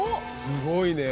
すごいね。